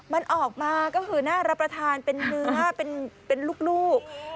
มันออกมาก็คือน่ารับประทานเป็นเนื้อเป็นลูก